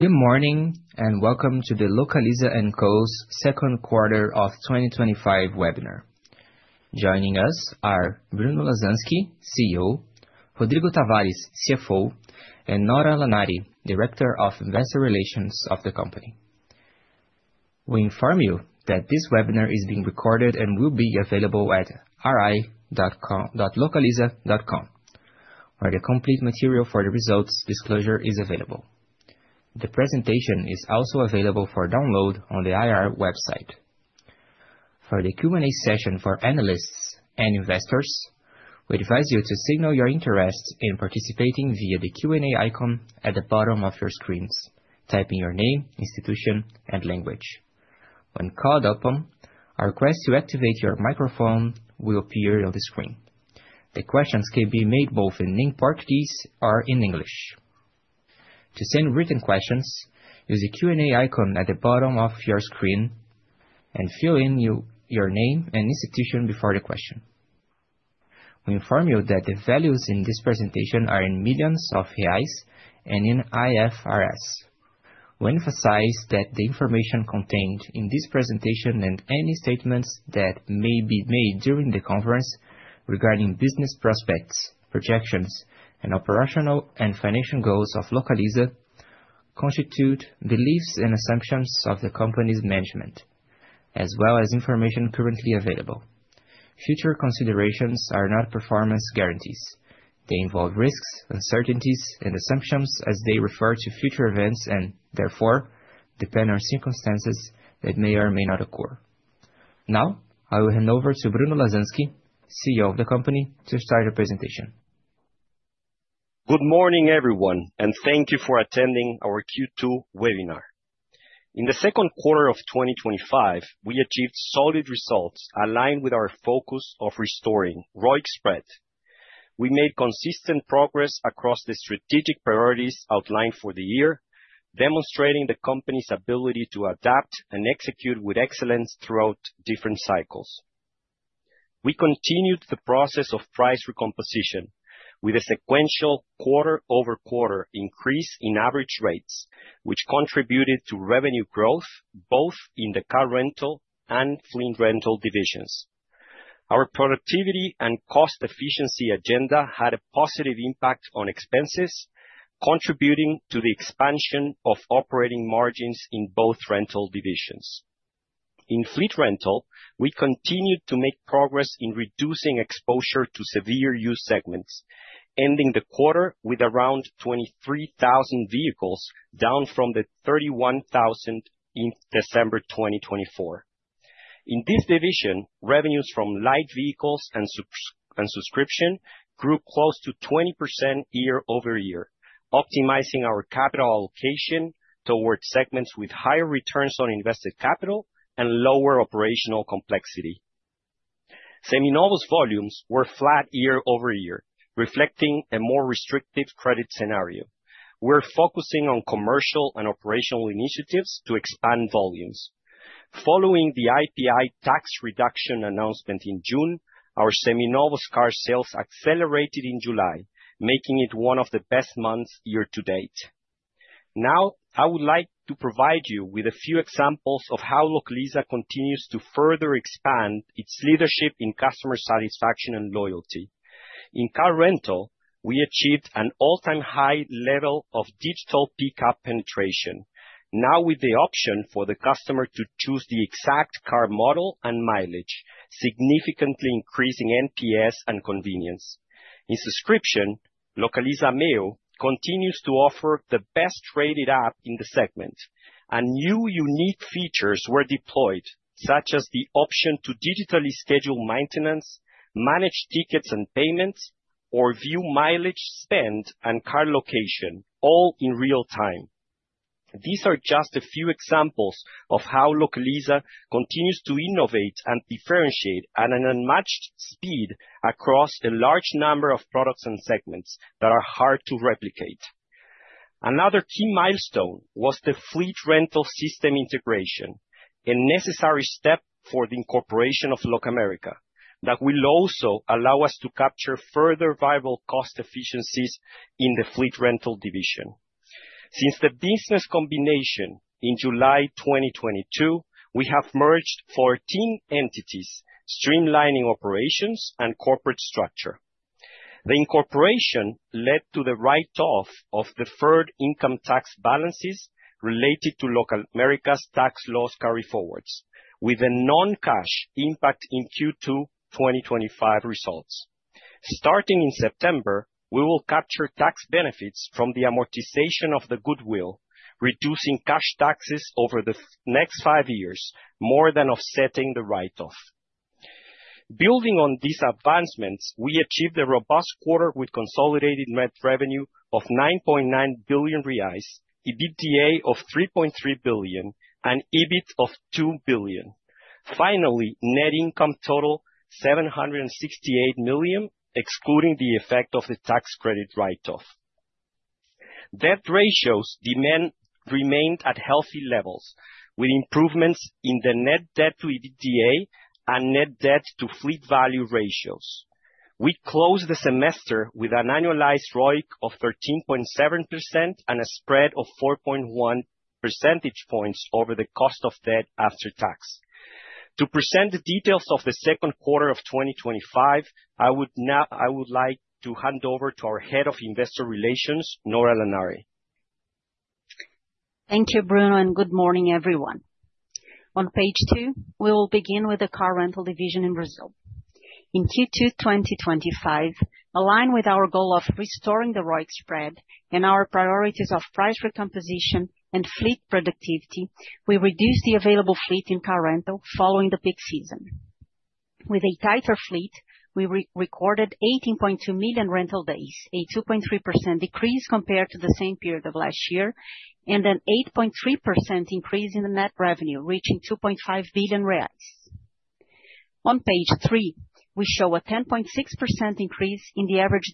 Good morning and welcome to the Localiza and call's second quarter of 2025 webinar. Joining us are Bruno Lasansky, CEO, Rodrigo Tavares, CFO, and Nora Lanari, Director of Investor Relations of the company. We inform you that this webinar is being recorded and will be available at ri.localiza.com, where the complete material for the results disclosure is available. The presentation is also available for download on the IR website. For the Q&A session for analysts and investors, we advise you to signal your interest in participating via the Q&A icon at the bottom of your screens, typing your name, institution, and language. When called upon, a request to activate your microphone will appear on the screen. The questions can be made both in Portuguese or in English. To send written questions, use the Q&A icon at the bottom of your screen and fill in your name and institution before the question. We inform you that the values in this presentation are in millions of reais and in IFRS. We emphasize that the information contained in this presentation and any statements that may be made during the conference regarding business prospects, projections, and operational and financial goals of Localiza constitute beliefs and assumptions of the company's management, as well as information currently available. Future considerations are not performance guarantees. They involve risks, uncertainties, and assumptions as they refer to future events and therefore depend on circumstances that may or may not occur. Now, I will hand over to Bruno Lasansky, CEO of the company, to start the presentation. Good morning, everyone, and thank you for attending our Q2 webinar. In the second quarter of 2025, we achieved solid results aligned with our focus of restoring ROIC spread. We made consistent progress across the strategic priorities outlined for the year, demonstrating the company's ability to adapt and execute with excellence throughout different cycles. We continued the process of price recomposition with a sequential quarter-over-quarter increase in average rates, which contributed to revenue growth both in the car rental and fleet rental divisions. Our productivity and cost efficiency agenda had a positive impact on expenses, contributing to the expansion of operating margins in both rental divisions. In fleet rental, we continued to make progress in reducing exposure to severe use segments, ending the quarter with around 23,000 vehicles, down from the 31,000 in December 2024. In this division, revenues from light vehicles and subscriptions grew close to 20% year-over-year, optimizing our capital allocation towards segments with higher returns on invested capital and lower operational complexity. Seminovos volumes were flat year-over-year, reflecting a more restrictive credit scenario. We're focusing on commercial and operational initiatives to expand volumes. Following the IPI tax reduction announcement in June, our Seminovos car sales accelerated in July, making it one of the best months year to date. Now, I would like to provide you with a few examples of how Localiza continues to further expand its leadership in customer satisfaction and loyalty. In car rental, we achieved an all-time high level of digital pickup penetration, now with the option for the customer to choose the exact car model and mileage, significantly increasing NPS and convenience. In subscription, Localiza Meo continues to offer the best-rated app in the segment. New unique features were deployed, such as the option to digitally schedule maintenance, manage tickets and payments, or view mileage spend and car location, all in real time. These are just a few examples of how Localiza continues to innovate and differentiate at an unmatched speed across a large number of products and segments that are hard to replicate. Another key milestone was the fleet rental system integration, a necessary step for the incorporation of Locamerica, that will also allow us to capture further viable cost efficiencies in the fleet rental division. Since the business combination in July 2022, we have merged 14 entities, streamlining operations and corporate structure. The incorporation led to the write-off of deferred income tax balances related to Locamerica's tax loss carryforwards, with a non-cash impact in Q2 2025 results. Starting in September, we will capture tax benefits from the amortization of the goodwill, reducing cash taxes over the next five years, more than offsetting the write-off. Building on these advancements, we achieved a robust quarter with consolidated net revenue of 9.9 billion reais, EBITDA of 3.3 billion, and EBIT of 2 billion. Finally, net income totaled 768 million, excluding the effect of the tax credit write-off. Debt ratios remained at healthy levels, with improvements in the net debt to EBITDA and net debt to fleet value ratios. We closed the semester with an annualized ROIC of 13.7% and a spread of 4.1% over the cost of debt after tax. To present the details of the second quarter of 2025, I would now like to hand over to our Head of Investor Relations, Nora Lanari. Thank you, Bruno, and good morning, everyone. On page two, we will begin with the car rental division in Brazil. In Q2 2025, aligned with our goal of restoring the ROIC spread and our priorities of price recomposition and fleet productivity, we reduced the available fleet in car rental following the peak season. With a tighter fleet, we recorded 18.2 million rental days, a 2.3% decrease compared to the same period of last year, and an 8.3% increase in the net revenue, reaching 2.5 billion reais. On page three, we show a 10.6% increase in the average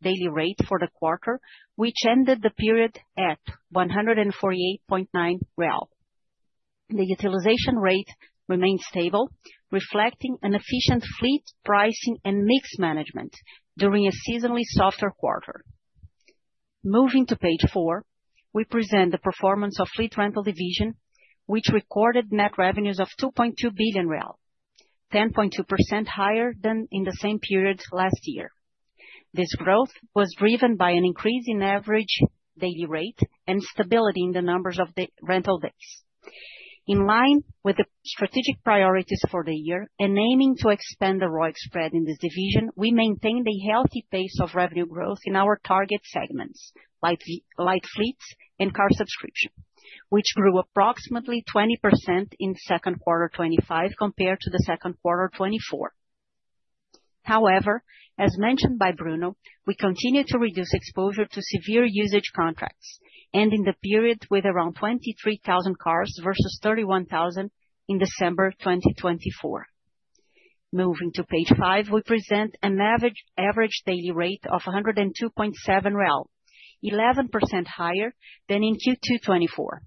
daily rate for the quarter, which ended the period at 148.9 real. The utilization rate remains stable, reflecting an efficient fleet pricing and mix management during a seasonally softer quarter. Moving to page four, we present the performance of the fleet rental division, which recorded net revenues of 2.2 billion real, 10.2% higher than in the same period last year. This growth was driven by an increase in average daily rate and stability in the numbers of the rental days. In line with the strategic priorities for the year and aiming to expand the ROIC spread in this division, we maintained a healthy pace of revenue growth in our target segments, like fleets and car subscriptions, which grew approximately 20% in second quarter 2025 compared to the second quarter 2024. However, as mentioned by Bruno, we continue to reduce exposure to severe usage contracts, ending the period with around 23,000 cars versus 31,000 in December 2024. Moving to page five, we present an average daily rate of 102.7, 11% higher than in Q2 2024.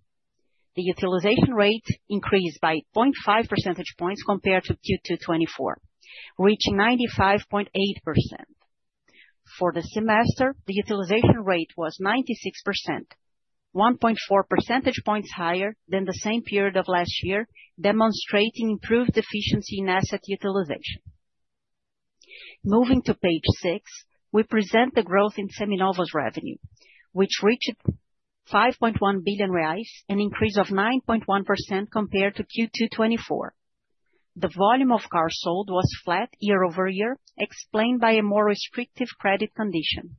The utilization rate increased by 0.5 percentage points compared to Q2 2024, reaching 95.8%. For the semester, the utilization rate was 96%, 1.4 percentage points higher than the same period of last year, demonstrating improved efficiency in asset utilization. Moving to page six, we present the growth in Seminovos revenue, which reached 5.1 billion reais, an increase of 9.1% compared to Q2 2024. The volume of cars sold was flat year-over-year, explained by a more restrictive credit condition,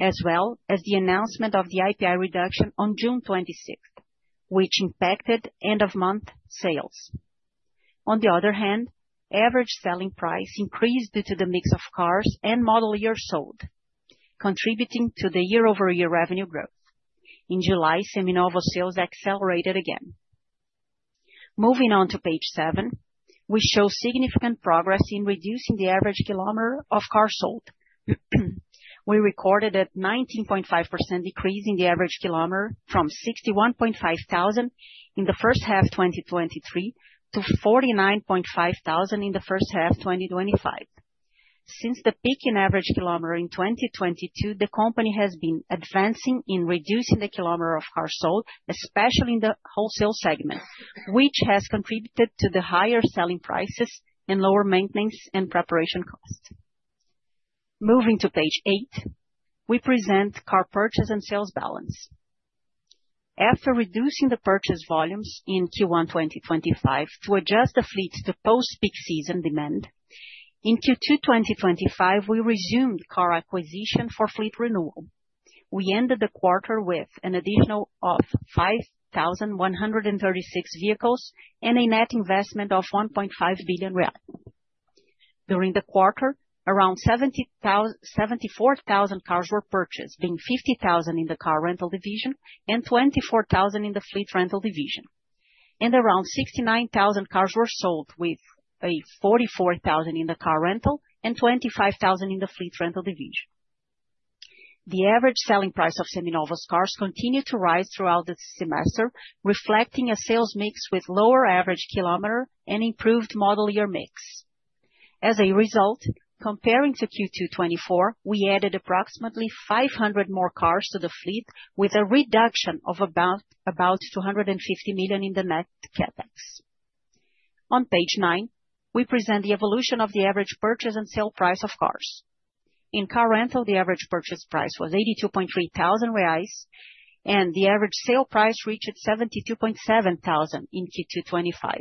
as well as the announcement of the IPI tax reduction on June 26, which impacted end-of-month sales. On the other hand, average selling price increased due to the mix of cars and model years sold, contributing to the year-over-year revenue growth. In July, Seminovos sales accelerated again. Moving on to page seven, we show significant progress in reducing the average kilometer of cars sold. We recorded a 19.5% decrease in the average kilometer from 61.5 thousand in the first half 2023 to 49.5 thousand in the first half 2025. Since the peak in average kilometer in 2022, the company has been advancing in reducing the kilometer of cars sold, especially in the wholesale segment, which has contributed to the higher selling prices and lower maintenance and preparation costs. Moving to page eight, we present car purchase and sales balance. After reducing the purchase volumes in Q1 2025 to adjust the fleet to post-peak season demand, in Q2 2025, we resumed car acquisition for fleet renewal. We ended the quarter with an additional 5,136 vehicles and a net investment of BRL 1.5 billion. During the quarter, around 74,000 cars were purchased, being 50,000 in the car rental division and 24,000 in the fleet rental division. Around 69,000 cars were sold, with 44,000 in the car rental and 25,000 in the fleet rental division. The average selling price of Seminovos cars continued to rise throughout the semester, reflecting a sales mix with lower average kilometer and improved model year mix. As a result, comparing to Q2 2024, we added approximately 500 more cars to the fleet with a reduction of about 250 million in the net CapEx. On page nine, we present the evolution of the average purchase and sale price of cars. In car rental, the average purchase price was 82,300 reais, and the average sale price reached 2,700 in Q2 2025,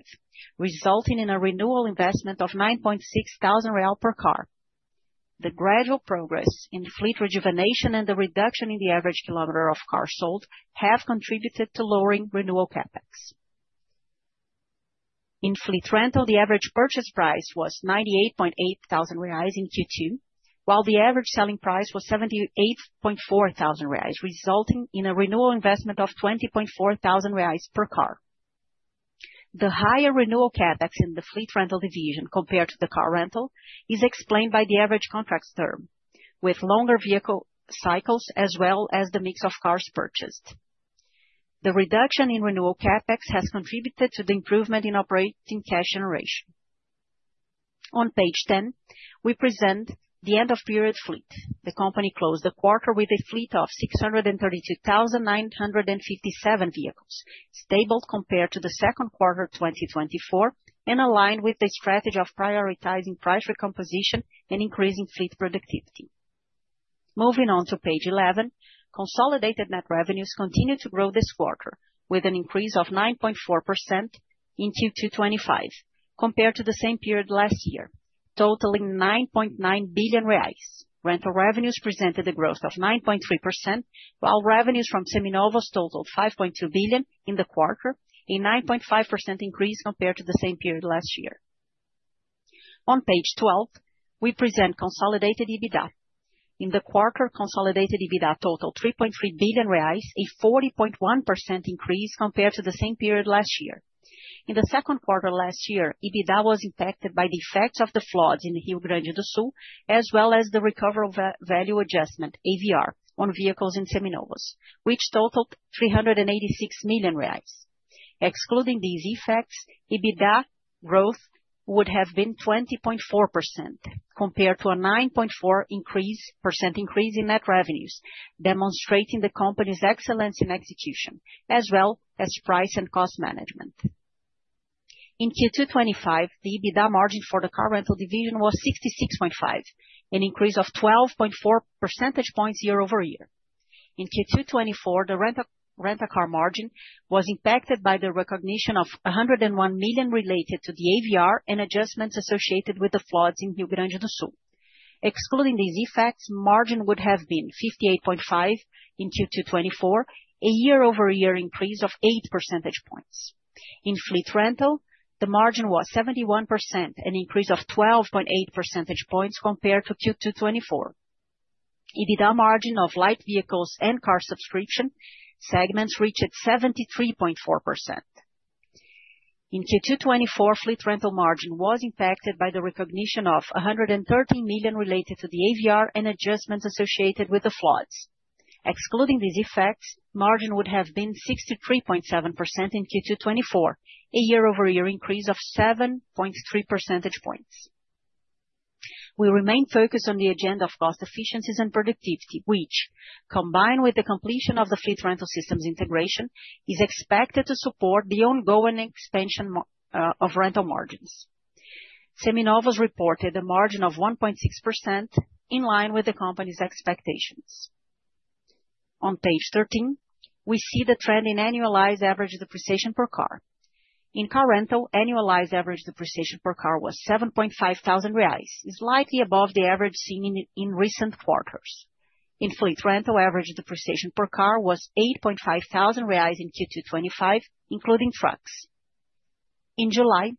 resulting in a renewal investment of 9,600 real per car. The gradual progress in fleet rejuvenation and the reduction in the average kilometer of cars sold have contributed to lowering renewal CapEx. In fleet rental, the average purchase price was 98,800 reais in Q2, while the average selling price was 78,400 reais, resulting in a renewal investment of 20,400 reais per car. The higher renewal CapEx in the fleet rental division compared to the car rental is explained by the average contract term, with longer vehicle cycles as well as the mix of cars purchased. The reduction in renewal CapEx has contributed to the improvement in operating cash generation. On page 10, we present the end-of-period fleet. The company closed the quarter with a fleet of 632,957 vehicles, stable compared to the second quarter 2024 and aligned with the strategy of prioritizing price recomposition and increasing fleet productivity. Moving on to page 11, consolidated net revenues continue to grow this quarter with an increase of 9.4% in Q2 2025 compared to the same period last year, totaling 9.9 billion reais. Rental revenues presented a growth of 9.3%, while revenues from Seminovos totaled 5.2 billion in the quarter, a 9.5% increase compared to the same period last year. On page 12, we present consolidated EBITDA. In the quarter, consolided EBITDA totaled 3.3 billion reais, a 40.1% increase compared to the same period last year. In the second quarter last year, EBITDA was impacted by the effects of the floods in Rio Grande do Sul, as well as the recovery value adjustment, AVR, on vehicles in Seminovos, which totaled 386 million reais. Excluding these effects, EBITDA growth would have been 20.4% compared to a 9.4% increase in net revenues, demonstrating the company's excellence in execution, as well as price and cost management. In Q2 2025, the EBITDA margin for the car rental division was 66.5%, an increase of 12.4 percentage points year-over-year. In Q2 2024, the rental car margin was impacted by the recognition of 101 million related to the AVR and adjustments associated with the floods in Rio Grande do Sul. Excluding these effects, margin would have been 58.5% in Q2 2024, a year-over-year increase of 8 percentage points. In fleet rental, the margin was 71%, an increase of 12.8 percentage points compared to Q2 2024. EBITDA margin of light vehicles and car subscription segments reached 73.4%. In Q2 2024, fleet rental margin was impacted by the recognition of 113 million related to the AVR and adjustments associated with the floods. Excluding these effects, margin would have been 63.7% in Q2 2024, a year-over-year increase of 7.3 percentage points. We remain focused on the agenda of cost efficiencies and productivity, which, combined with the completion of the fleet rental system's integration, is expected to support the ongoing expansion of rental margins. Seminovos reported a margin of 1.6%, in line with the company's expectations. On page 13, we see the trend in annualized average depreciation per car. In car rental, annualized average depreciation per car was 7,500 reais, slightly above the average seen in recent quarters. In fleet rental, average depreciation per car was 8,500 reais in Q2 2025, including trucks. In July,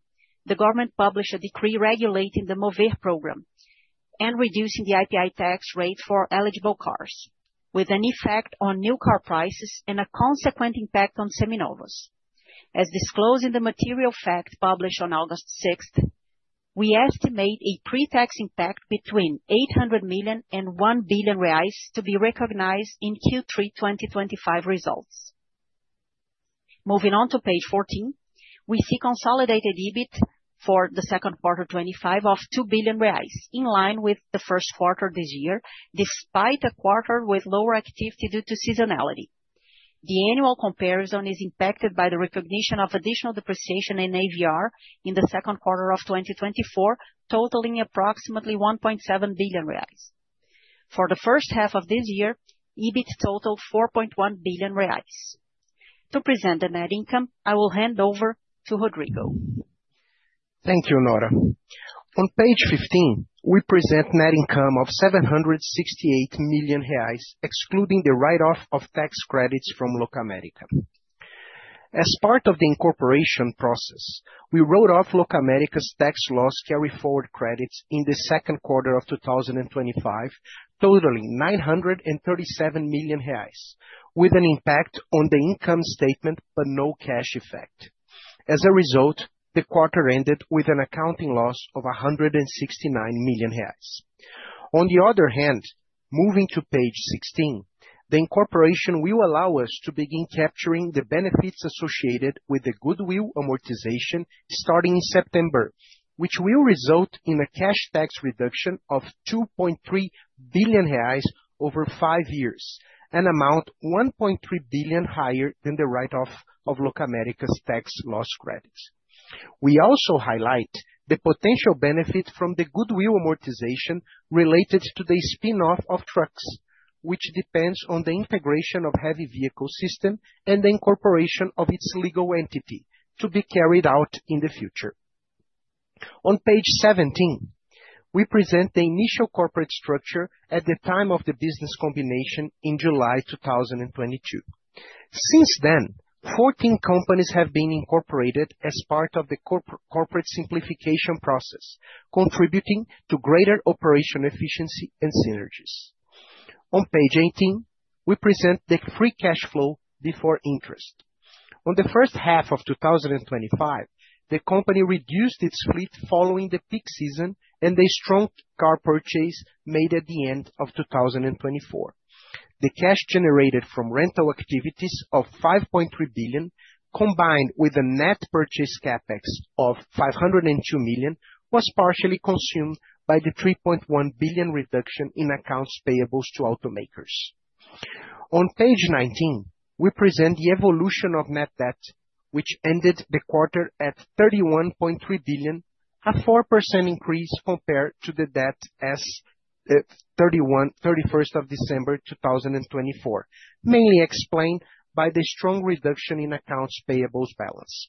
the government published a decree regulating the Mover program and reducing the IPI tax rate for eligible cars, with an effect on new car prices and a consequent impact on Seminovos. As disclosed in the material FAQ published on August 6th, we estimate a pre-tax impact between 800 million and 1 billion reais to be recognized in Q3 2025 results. Moving on to page 14, we see consolidated EBIT for the second quarter 2025 of 2 billion reais, in line with the first quarter this year, despite a quarter with lower activity due to seasonality. The annual comparison is impacted by the recognition of additional depreciation and AVR in the second quarter of 2024, totaling approximately 1.7 billion reais. For the first half of this year, EBIT totaled RBRL 4.1 billion. To present the net income, I will hand over to Rodrigo. Thank you, Nora. On page 15, we present net income of 768 million reais, excluding the write-off of tax credits from Locamerica. As part of the incorporation process, we wrote off Locamerica's tax loss carryforward credits in the second quarter of 2025, totaling 937 million reais, with an impact on the income statement but no cash effect. As a result, the quarter ended with an accounting loss of 169 million reais. On the other hand, moving to page 16, the incorporation will allow us to begin capturing the benefits associated with the goodwill amortization starting in September, which will result in a cash tax reduction of 2.3 billion reais over five years, an amount 1.3 billion higher than the write-off of Locamerica's tax loss credits. We also highlight the potential benefits from the goodwill amortization related to the spin-off of trucks, which depends on the integration of the heavy vehicle system and the incorporation of its legal entity to be carried out in the future. On page 17, we present the initial corporate structure at the time of the business combination in July 2022. Since then, 14 companies have been incorporated as part of the corporate simplification process, contributing to greater operational efficiency and synergies. On page 18, we present the free cash flow before interest. In the first half of 2025, the company reduced its fleet following the peak season and the strong car purchase made at the end of 2024. The cash generated from rental activities of 5.3 billion, combined with a net purchase CapEx of 502 million, was partially consumed by the 3.1 billion reduction in accounts payables to automakers. On page 19, we present the evolution of net debt, which ended the quarter at 31.3 billion, a 4% increase compared to the debt as of December 31, 2024, mainly explained by the strong reduction in accounts payables balance.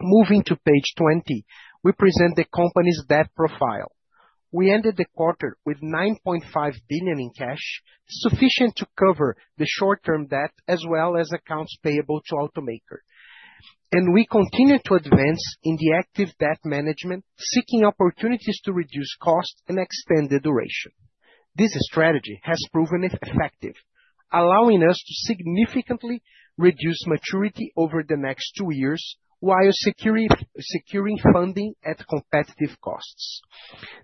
Moving to page 20, we present the company's debt profile. We ended the quarter with 9.5 billion in cash, sufficient to cover the short-term debt as well as accounts payable to automakers. We continue to advance in the active debt management, seeking opportunities to reduce costs and extend the duration. This strategy has proven effective, allowing us to significantly reduce maturity over the next two years while securing funding at competitive costs.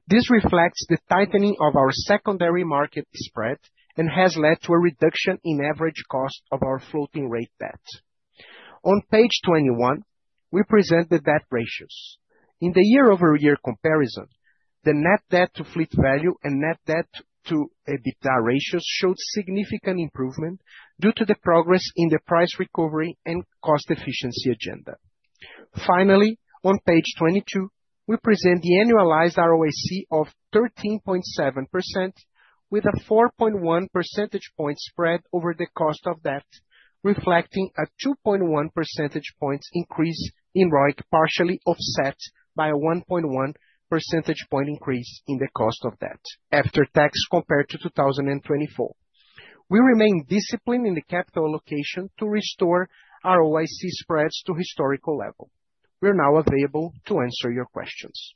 This reflects the tightening of our secondary market spread and has led to a reduction in average cost of our floating rate debt. On page 21, we present the debt ratios. In the year-over-year comparison, the net debt to fleet value and net debt to EBITDA ratios showed significant improvement due to the progress in the price recovery and cost efficiency agenda. Finally, on page 22, we present the annualized ROIC of 13.7%, with a 4.1% point spread over the cost of debt, reflecting a 2.1% point increase in ROIC, partially offset by a 1.1% point increase in the cost of debt after tax compared to 2024. We remain disciplined in the capital allocation to restore ROIC spreads to historical level. We're now available to answer your questions.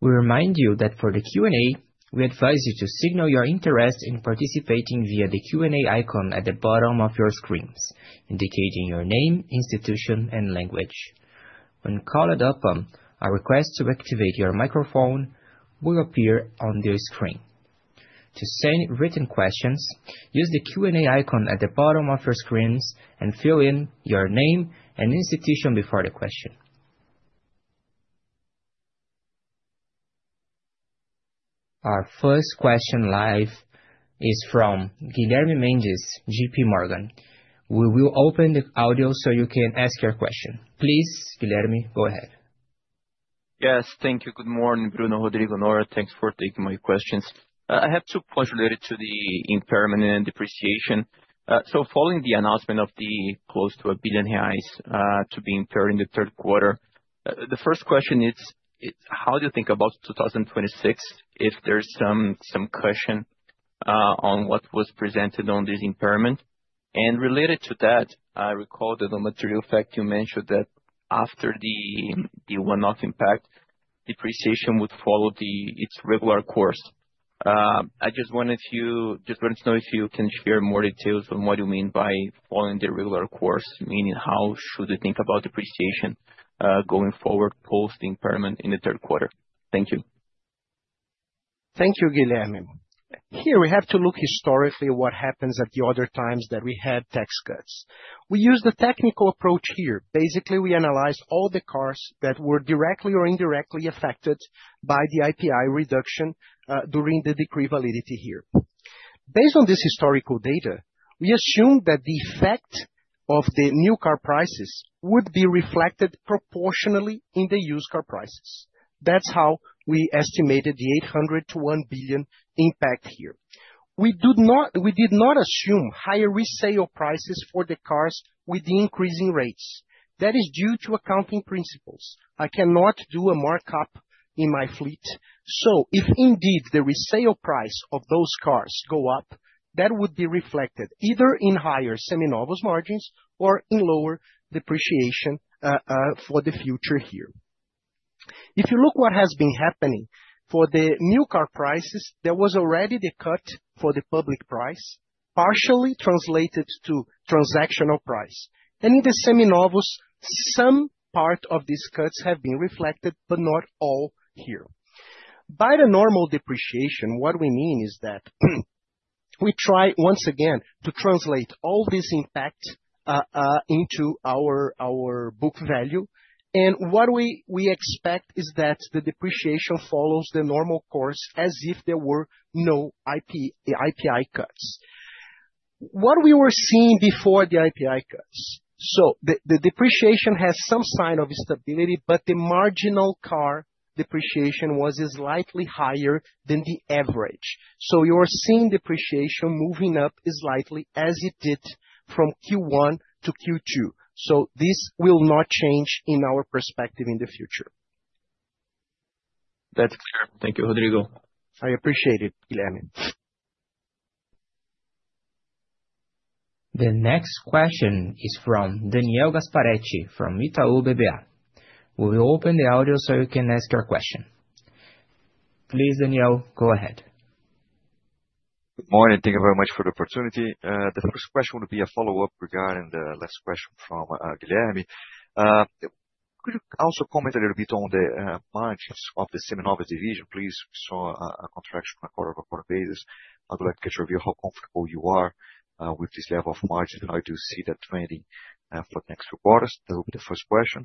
We remind you that for the Q&A, we advise you to signal your interest in participating via the Q&A icon at the bottom of your screens, indicating your name, institution, and language. When called upon, a request to activate your microphone will appear on your screen. To send written questions, use the Q&A icon at the bottom of your screens and fill in your name and institution before the question. Our first question live is from Guilherme Mendes, J.P. Morgan. We will open the audio so you can ask your question. Please, Guilherme, go ahead. Yes, thank you. Good morning, Bruno, Rodrigo, Nora. Thanks for taking my questions. I have two points related to the impairment and depreciation. Following the announcement of the close to a billion RIs to be incurred in the third quarter, the first question is, how do you think about 2026 if there's some question on what was presented on this impairment? Related to that, I recall that on the material FAQ, you mentioned that after the one-off impact, depreciation would follow its regular course. I just wanted to let us know if you can share more details on what you mean by following the regular course, meaning how should we think about depreciation going forward post the impairment in the third quarter. Thank you. Thank you, Guilherme. Here, we have to look historically at what happens at the other times that we had tax cuts. We use the technical approach here. Basically, we analyze all the cars that were directly or indirectly affected by the IPI tax reduction during the decree validity here. Based on this historical data, we assume that the effect of the new car prices would be reflected proportionately in the used car prices. That's how we estimated the 800 million-1 billion impact here. We did not assume higher resale prices for the cars with the increasing rates. That is due to accounting principles. I cannot do a markup in my fleet. If indeed the resale price of those cars goes up, that would be reflected either in higher Seminovos margins or in lower depreciation for the future here. If you look at what has been happening for the new car prices, there was already the cut for the public price, partially translated to transactional price. In the Seminovos, some part of these cuts have been reflected, but not all here. By the normal depreciation, what we mean is that we try once again to translate all this impact into our book value. What we expect is that the depreciation follows the normal course as if there were no IPI tax cuts. What we were seeing before the IPI tax cuts. The depreciation has some sign of stability, but the marginal car depreciation was slightly higher than the average. You are seeing depreciation moving up slightly as it did from Q1 to Q2. This will not change in our perspective in the future. Thank you, Rodrigo. I appreciate it, Guilherme. The next question is from Daniel Gasparete from Itaú BBA. We will open the audio so you can ask your question. Please, Daniel, go ahead. Good morning. Thank you very much for the opportunity. The first question would be a follow-up regarding the last question from Guilherme. Could you also comment a little bit on the margins of the Seminovos division, please? We saw a contraction on a quarter-by-quarter basis. I would like to get your view on how comfortable you are with this level of margins, and I do see that trending for the next few quarters. That would be the first question.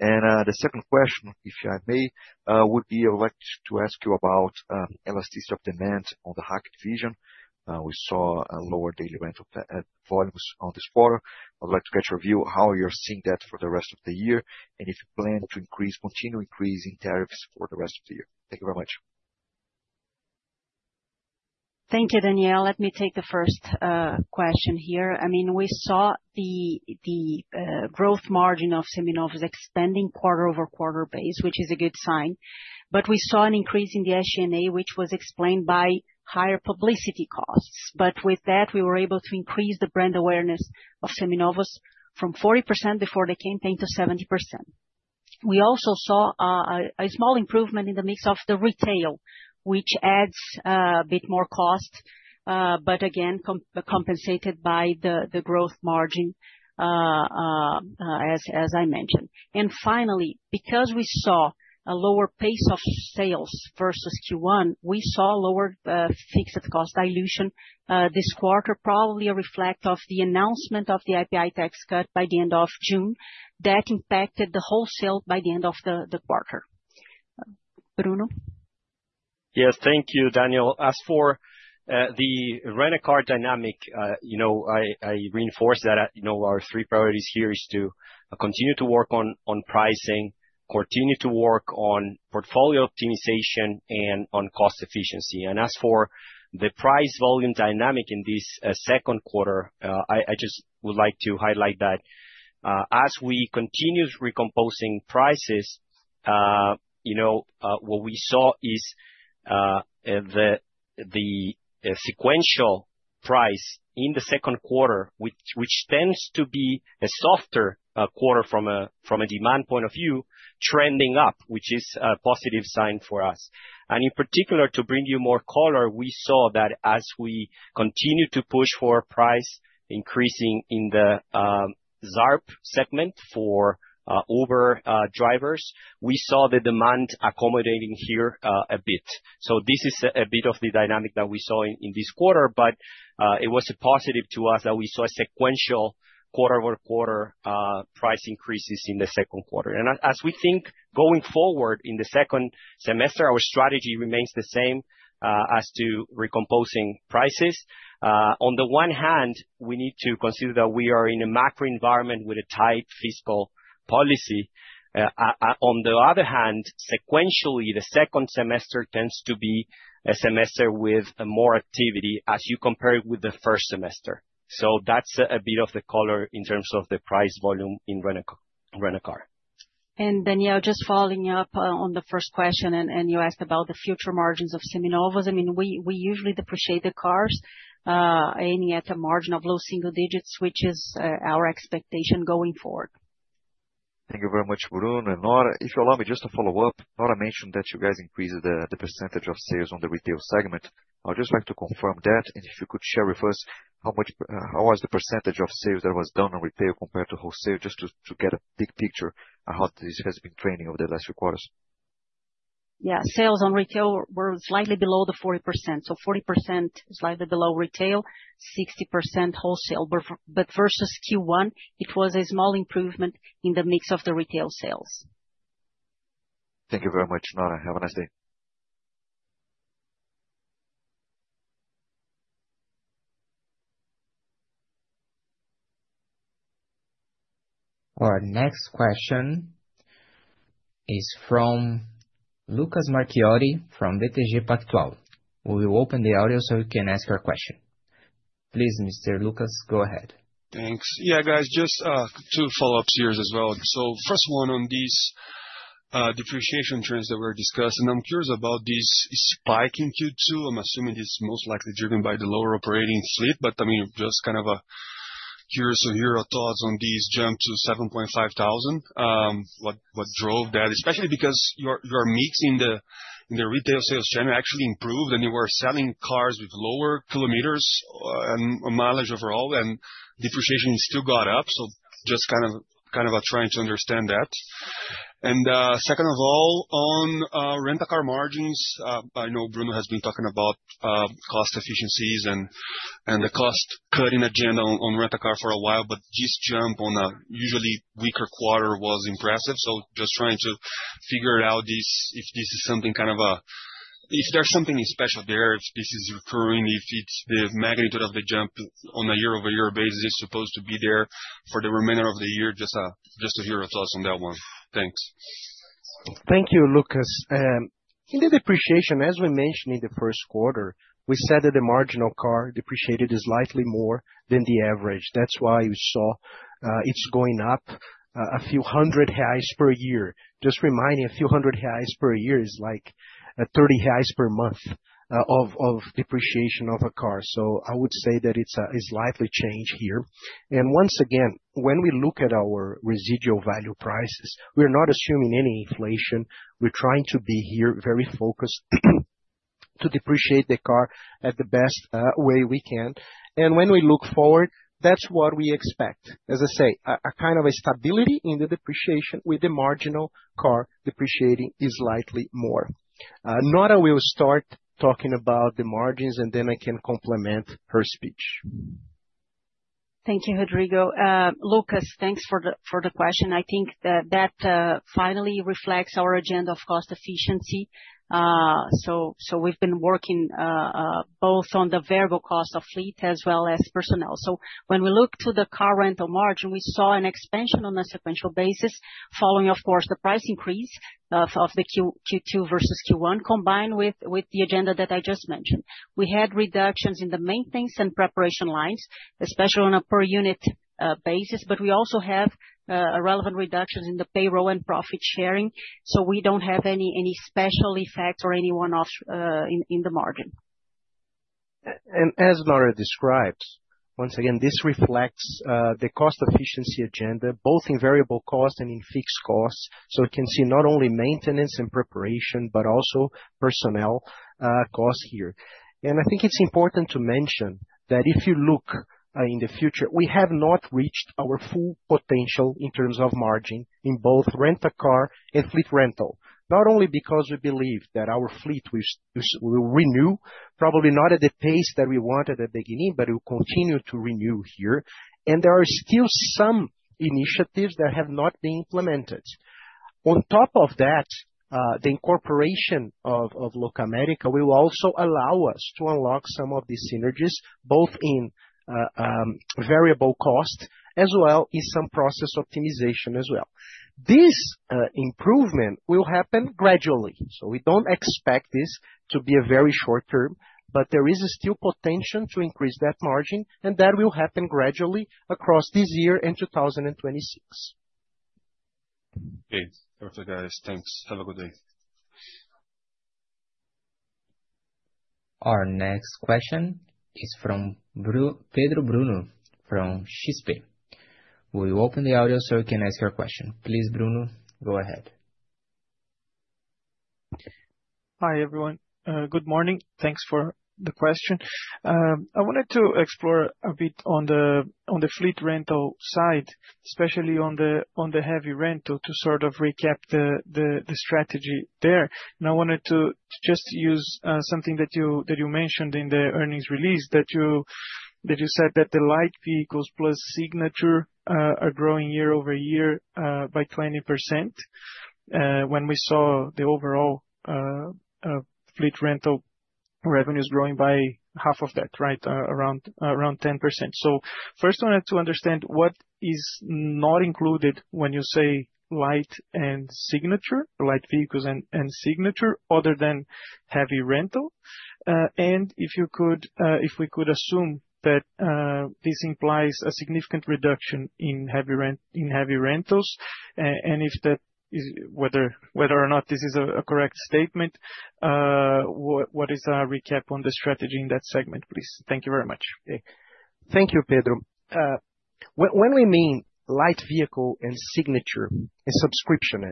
The second question, if I may, would be I would like to ask you about elasticity of demand on the Car Rental division. We saw lower daily rental volumes on this quarter. I would like to get your view on how you're seeing that for the rest of the year and if you plan to continue increasing tariffs for the rest of the year. Thank you very much. Thank you, Daniel. Let me take the first question here. I mean, we saw the gross margin of Seminovos expanding quarter-over-quarter, which is a good sign. We saw an increase in the SG&A, which was explained by higher publicity costs. With that, we were able to increase the brand awareness of Seminovos from 40% before the campaign to 70%. We also saw a small improvement in the mix of the retail, which adds a bit more cost, again compensated by the gross margin, as I mentioned. Finally, because we saw a lower pace of sales versus Q1, we saw lower fixed cost dilution this quarter, probably a reflection of the announcement of the IPI tax cut by the end of June. That impacted the wholesale by the end of the quarter. Bruno. Yes, thank you, Daniel. As for the car rental dynamic, I reinforce that our three priorities here are to continue to work on pricing, continue to work on portfolio optimization, and on cost efficiency. As for the price volume dynamic in this second quarter, I just would like to highlight that as we continue recomposing prices, what we saw is the sequential price in the second quarter, which tends to be a softer quarter from a demand point of view, trending up, which is a positive sign for us. In particular, to bring you more color, we saw that as we continue to push for price increasing in the ZARP segment for Uber drivers, we saw the demand accommodating here a bit. This is a bit of the dynamic that we saw in this quarter, but it was a positive to us that we saw sequential quarter-over-quarter price increases in the second quarter. As we think going forward in the second semester, our strategy remains the same as to recomposing prices. On the one hand, we need to consider that we are in a macro environment with a tight fiscal policy. On the other hand, sequentially, the second semester tends to be a semester with more activity as you compare it with the first semester. That's a bit of the color in terms of the price volume in car rental. Daniel, just following up on the first question, you asked about the future margins of Seminovos. We usually depreciate the cars, aiming at a margin of low single digits, which is our expectation going forward. Thank you very much, Bruno. Nora, if you allow me just to follow up, Nora mentioned that you guys increased the percentage of sales on the retail segment. I would just like to confirm that. If you could share with us how much was the percentage of sales that was done on retail compared to wholesale, just to get a big picture on how this has been trending over the last few quarters. Yeah, sales on retail were slightly below the 40%. 40% slightly below retail, 60% wholesale. Versus Q1, it was a small improvement in the mix of the retail sales. Thank you very much, Nora. Have a nice day. Our next question is from Lucas Marquiori from BTG Pactual. We will open the audio so you can ask your question. Please, Mr. Lucas, go ahead. Thanks. Yeah, guys, just two follow-ups here as well. First, on these depreciation trends that were discussed. I'm curious about this spike in Q2. I'm assuming this is most likely driven by the lower operating lease, but I'm just kind of curious to hear your thoughts on this jump to 7,500. What drove that, especially because your mix in the retail sales channel actually improved and you were selling cars with lower kilometers and mileage overall, and depreciation still got up. I'm just trying to understand that. Second, on rental car margins, I know Bruno has been talking about cost efficiencies and the cost cutting agenda on rental cars for a while, but this jump on a usually weaker quarter was impressive. I'm just trying to figure out if there's something special there, if this is recurring, if the magnitude of the jump on a year-over-year basis is supposed to be there for the remainder of the year. Just to hear your thoughts on that one. Thanks. Thank you, Lucas. In the depreciation, as we mentioned in the first quarter, we said that the margin of car depreciated is slightly more than the average. That's why we saw it's going up a few hundred reais per year. Just reminding, a few hundred reais per year is like 30 reais per month of depreciation of a car. I would say that it's a slight change here. Once again, when we look at our residual value prices, we're not assuming any inflation. We're trying to be here very focused to depreciate the car in the best way we can. When we look forward, that's what we expect. As I say, a kind of a stability in the depreciation with the marginal car depreciating slightly more. Nora will start talking about the margins, and then I can complement her speech. Thank you, Rodrigo. Lucas, thanks for the question. I think that finally reflects our agenda of cost efficiency. We've been working both on the variable cost of fleet as well as personnel. When we look to the car rental margin, we saw an expansion on a sequential basis following, of course, the price increase of Q2 versus Q1, combined with the agenda that I just mentioned. We had reductions in the maintenance and preparation lines, especially on a per-unit basis, but we also have relevant reductions in the payroll and profit sharing. We don't have any special effects or any one-offs in the margin. As Nora describes, once again, this reflects the cost efficiency agenda, both in variable costs and in fixed costs. You can see not only maintenance and preparation, but also personnel costs here. I think it's important to mention that if you look in the future, we have not reached our full potential in terms of margin in both rental car and fleet rental. Not only because we believe that our fleet will renew, probably not at the pace that we wanted at the beginning, but it will continue to renew here. There are still some initiatives that have not been implemented. On top of that, the incorporation of Locamerica will also allow us to unlock some of these synergies, both in variable costs as well as some process optimization as well. This improvement will happen gradually. We don't expect this to be very short term, but there is still potential to increase that margin, and that will happen gradually across this year and 2026. Okay, perfect, guys. Thanks. Have a good day. Our next question is from Pedro Bruno from XP. We will open the audio so you can ask your question. Please, Bruno, go ahead. Hi, everyone. Good morning. Thanks for the question. I wanted to explore a bit on the fleet rental side, especially on the heavy rental to sort of recap the strategy there. I wanted to just use something that you mentioned in the earnings release that you said that the light vehicles plus signature are growing year-over-year by 20% when we saw the overall fleet rental revenues growing by half of that, right, around 10%. First, I wanted to understand what is not included when you say light and signature, light vehicles and signature, other than heavy rental. If you could, if we could assume that this implies a significant reduction in heavy rentals, and if that is whether or not this is a correct statement, what is our recap on the strategy in that segment, please? Thank you very much. Thank you, Pedro. When we mean light vehicle and signature and subscription,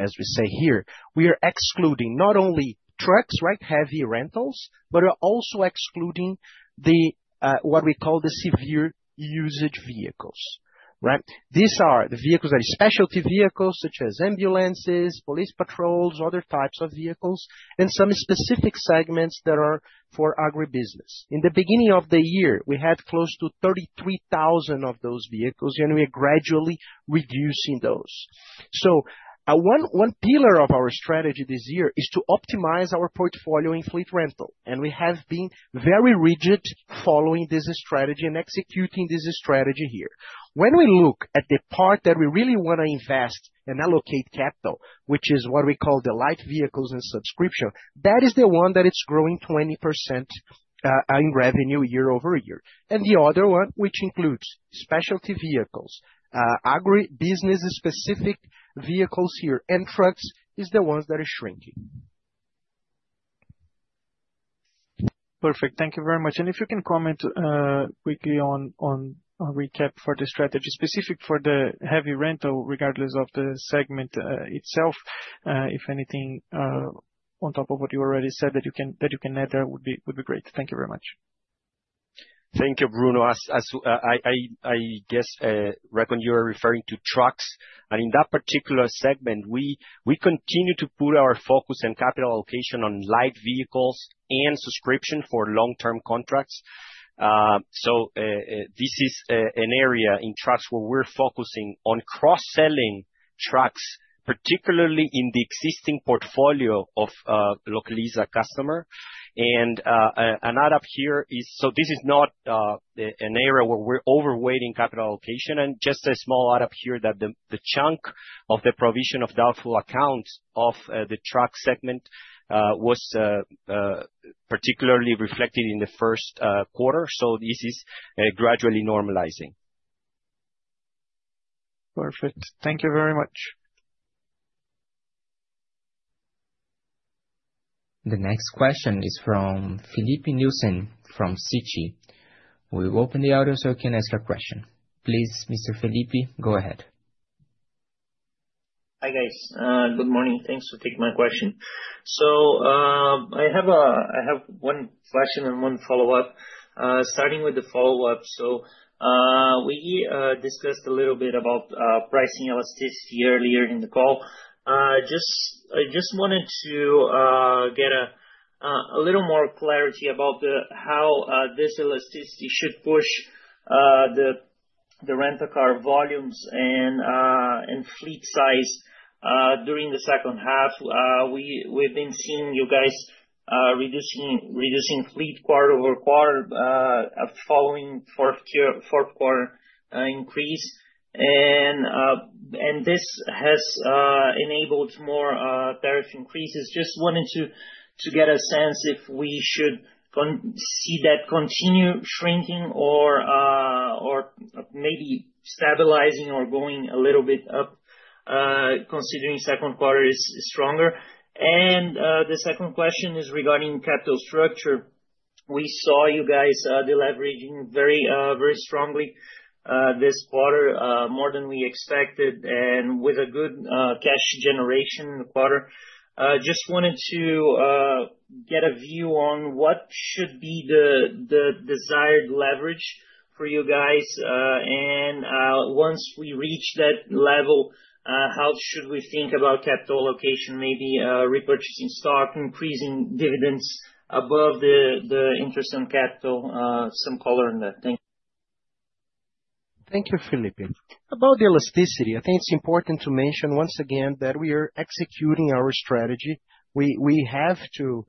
as we say here, we are excluding not only trucks, heavy rentals, but we're also excluding what we call the severe usage vehicles. These are the vehicles that are specialty vehicles, such as ambulances, police patrols, or other types of vehicles, and some specific segments that are for agribusiness. In the beginning of the year, we had close to 33,000 of those vehicles, and we are gradually reducing those. One pillar of our strategy this year is to optimize our portfolio in fleet rental. We have been very rigid following this strategy and executing this strategy here. When we look at the part that we really want to invest and allocate capital, which is what we call the light vehicles and subscription, that is the one that is growing 20% in revenue year-over-year. The other one, which includes specialty vehicles, agribusiness-specific vehicles, and trucks, is the one that is shrinking. Perfect. Thank you very much. If you can comment quickly on a recap for the strategy specific for the heavy rental, regardless of the segment itself, if anything on top of what you already said that you can add there, that would be great. Thank you very much. Thank you, Bruno. I guess, Raikon, you are referring to trucks. In that particular segment, we continue to put our focus and capital allocation on light vehicles and subscription for long-term contracts. This is an area in trucks where we're focusing on cross-selling trucks, particularly in the existing portfolio of Localiza customers. An add-up here is, this is not an area where we're overweighting capital allocation. Just a small add-up here that the chunk of the provision of doubtful accounts of the truck segment was particularly reflected in the first quarter. This is gradually normalizing. Perfect. Thank you very much. The next question is from Filipe Nielsen from Citi. We will open the audio so you can ask your question. Please, Mr. Filipe, go ahead. Hi, guys. Good morning. Thanks for taking my question. I have one question and one follow-up. Starting with the follow-up, we discussed a little bit about pricing elasticity earlier in the call. I just wanted to get a little more clarity about how this elasticity should push the rental car volumes and fleet size during the second half. We've been seeing you guys reducing fleet quarter-over-quarter following the fourth quarter increase. This has enabled more tariff increases. I just wanted to get a sense if we should see that continue shrinking or maybe stabilizing or going a little bit up, considering the second quarter is stronger. The second question is regarding capital structure. We saw you guys leveraging very, very strongly this quarter, more than we expected, and with a good cash generation in the quarter. I just wanted to get a view on what should be the desired leverage for you guys. Once we reach that level, how should we think about capital allocation, maybe repurchasing stock, increasing dividends above the interest on capital? Some color in that. Thank you. Thank you, Filipe. About the elasticity, I think it's important to mention once again that we are executing our strategy. We have to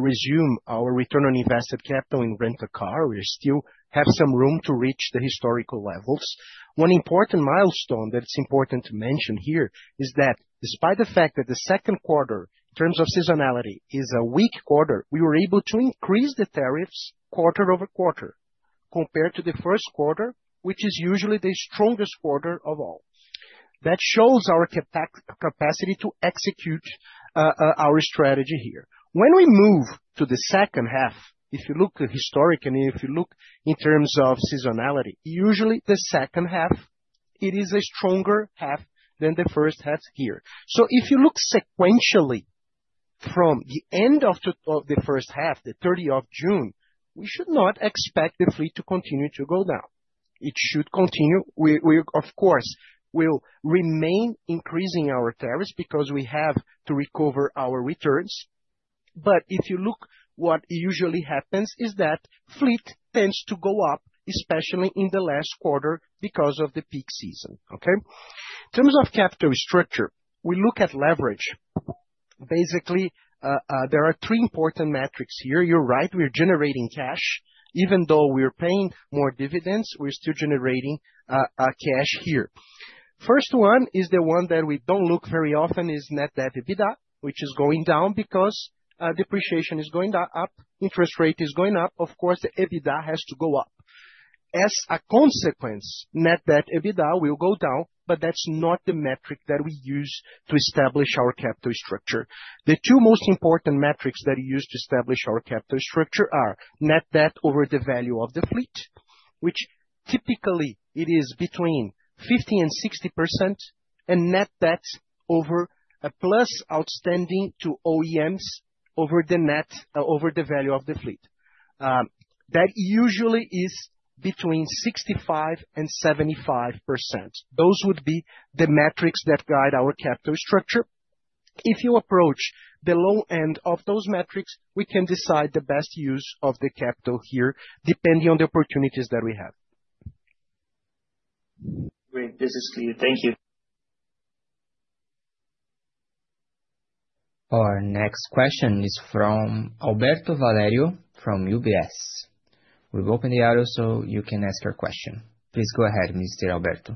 resume our return on invested capital in rental car. We still have some room to reach the historical levels. One important milestone that's important to mention here is that despite the fact that the second quarter, in terms of seasonality, is a weak quarter, we were able to increase the tariffs quarter-over-quarter compared to the first quarter, which is usually the strongest quarter of all. That shows our capacity to execute our strategy here. When we move to the second half, if you look historically, if you look in terms of seasonality, usually the second half, it is a stronger half than the first half here. If you look sequentially from the end of the first half, the 30th of June, we should not expect the fleet to continue to go down. It should continue. We, of course, will remain increasing our tariffs because we have to recover our returns. If you look, what usually happens is that fleet tends to go up, especially in the last quarter because of the peak season. Okay? In terms of capital structure, we look at leverage. Basically, there are three important metrics here. You're right, we're generating cash. Even though we're paying more dividends, we're still generating cash here. First one is the one that we don't look very often, is net debt to EBITDA, which is going down because depreciation is going up, interest rate is going up. Of course, EBITDA has to go up. As a consequence, net debt to EBITDA will go down, but that's not the metric that we use to establish our capital structure. The two most important metrics that we use to establish our capital structure are net debt over the value of the fleet, which typically is between 50% and 60%, and net debt plus outstanding to OEMs over the value of the fleet. That usually is between 65% and 75%. Those would be the metrics that guide our capital structure. If you approach the low end of those metrics, we can decide the best use of the capital here, depending on the opportunities that we have. Great. This is clear. Thank you. Our next question is from Alberto Valerio from UBS. We will open the audio so you can ask your question. Please go ahead, Mr. Alberto.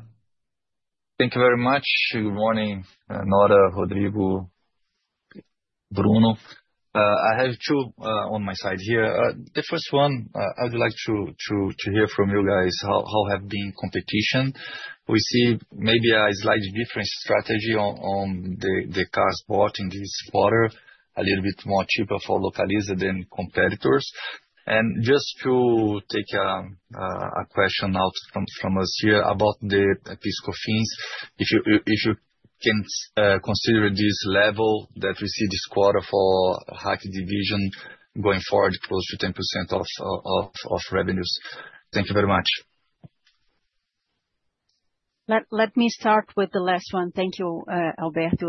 Thank you very much. Good morning, Nora, Rodrigo, Bruno. I have two on my side here. The first one, I would like to hear from you guys, how have the competition received maybe a slightly different strategy on the cars bought in this quarter, a little bit more cheaper for Localiza than competitors? Just to take a question out from us here about the fiscal fees, if you can consider this level that we see this quarter for RAC division going forward close to 10% of revenues. Thank you very much. Let me start with the last one. Thank you, Alberto.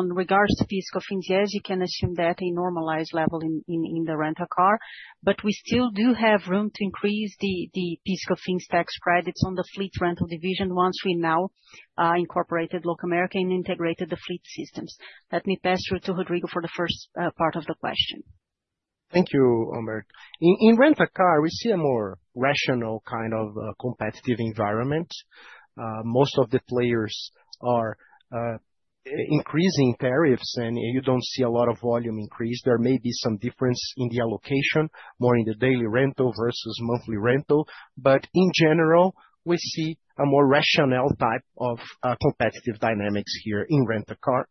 In regards to fiscal fees, yes, you can assume that a normalized level in the car rental. We still do have room to increase the fiscal fees tax credits on the fleet rental division once we now incorporated Locamerica and integrated the fleet systems. Let me pass through to Rodrigo for the first part of the question. Thank you, Alberto. In rental car, we see a more rational kind of competitive environment. Most of the players are increasing tariffs, and you don't see a lot of volume increase. There may be some difference in the allocation, more in the daily rental versus monthly rental. In general, we see a more rational type of competitive dynamics here in rental car.